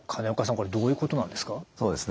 これどういうことなんですか？